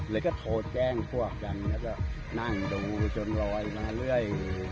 เลยก็โทรแจ้งพวกกันแล้วก็นั่งดูจนลอยมาเรื่อย